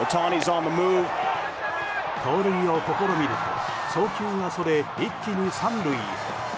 盗塁を試みると送球がそれ一気に３塁へ。